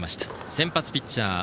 先発ピッチャー